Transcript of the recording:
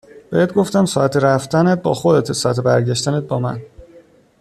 بهت گفتم ساعت رفتنت با خودته ساعت برگشتنت با من